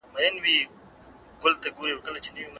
که د ميرمني پر بل چا باندي حق وو.